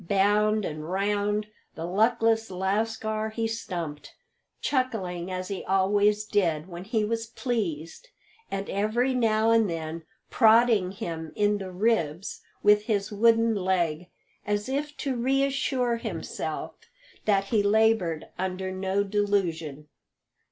Bound and round the luckless lascar he stumped, chuckling as he always did when he was pleased, and every now and then prodding him in the ribs with his wooden leg, as if to reassure himself that he laboured under no delusion.